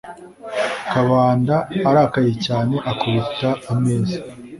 kabanda arakaye cyane akubita ameza